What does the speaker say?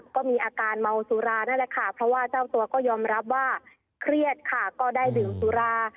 ก็มีอาการเมาสุรานั่นแหละค่ะเพราะว่าเจ้าตัวก็ยอมรับว่าเครียดค่ะก็ได้ดื่มสุรา